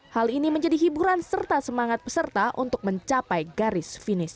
hal ini menjadi hiburan serta semangat peserta untuk mencapai garis finish